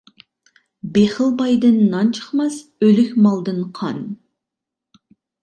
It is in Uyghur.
بېخىل بايدىن نان چىقماس، ئۆلۈك مالدىن قان.